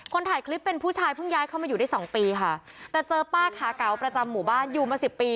ถ่ายคลิปเป็นผู้ชายเพิ่งย้ายเข้ามาอยู่ได้สองปีค่ะแต่เจอป้าขาเก่าประจำหมู่บ้านอยู่มาสิบปี